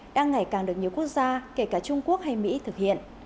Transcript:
đang ngày càng được nhiều quốc gia kể cả trung quốc hay mỹ thực hiện